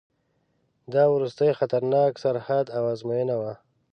دا وروستی خطرناک سرحد او آزموینه وه.